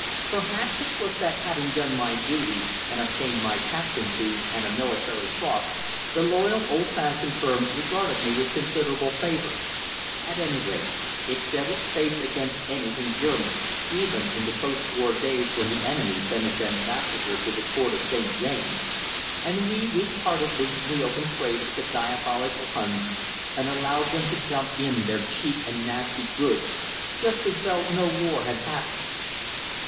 Perhaps it was that having done my duty and obtained my captaincy and a Military Cross, the loyal, old fashioned firm regarded me with considerable favour. At any rate, it set its face against anything German, even in the post war days when the enemy sent its Ambassador to the Court of St. James, and we weakheartedly reopened trade with the diabolical Huns and allowed them to dump in their cheap and nasty goods just as though no war had happened.